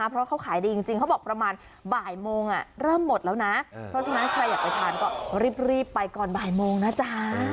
เพราะเขาขายดีจริงเขาบอกประมาณบ่ายโมงเริ่มหมดแล้วนะเพราะฉะนั้นใครอยากไปทานก็รีบไปก่อนบ่ายโมงนะจ๊ะ